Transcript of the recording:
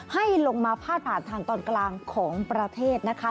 ให้ลงมาพาดผ่านทางตอนกลางของประเทศนะคะ